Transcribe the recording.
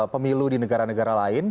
pemilu di negara negara lain